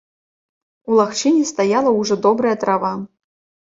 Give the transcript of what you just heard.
У лагчыне стаяла ўжо добрая трава.